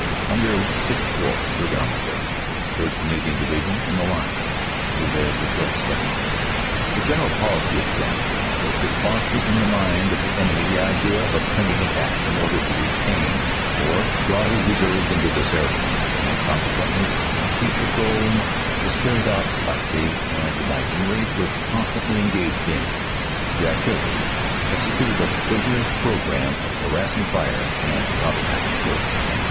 Under VI Corps. (Third Army Area) . 3rd. Canadian Division, in the line, Neuville Vitasse Sec tion. The general policy adopted was to foster in the mind of the enemy the idea of a pending attack in order to retain or draw his reserves into this area, and consequently active patrol ling was carried out by day and night and raids were constantly engaged in. The artillery executed a vigorous programme of harassing fire and counter battery work.